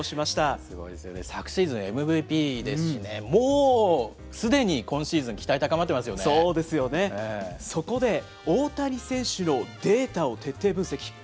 すごいですよね。昨シーズンＭＶＰですしね、もうすでに今シーズン、期待高まってそうですよね、そこで、大谷選手のデータを徹底分析。